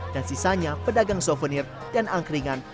dan sisanya pedagang souvenir dan angkringan